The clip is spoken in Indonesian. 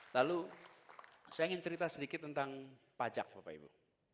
lalu saya ingin cerita sedikit tentang pajak bapak ibu